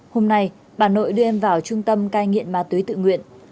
hôm nay bà nội đưa em vào trung tâm cai nghiện ma túy tự nguyện